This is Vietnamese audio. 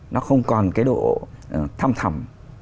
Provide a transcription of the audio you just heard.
nó không còn cái độ thăm thầm